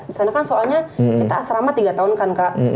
di sana kan soalnya kita asrama tiga tahun kan kak